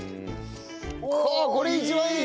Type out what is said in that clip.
ああこれ一番いい！